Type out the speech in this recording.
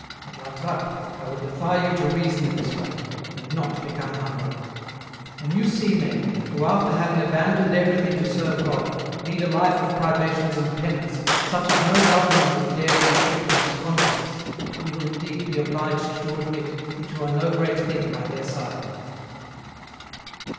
At La Trappe, I will defy you to reason in this way, and not to become humble. When you see men, who after having abandoned every thing to serve God, lead a life of privations and penance such as no government would dare to inflict on its convicts, you will indeed be obliged to admit that you are no great thing by their side."